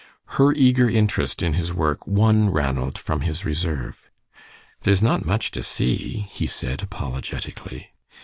Her eager interest in his work won Ranald from his reserve. "There is not much to see," he said, apologetically.